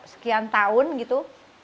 sekian tahun gitu